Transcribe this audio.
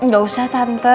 gak usah tante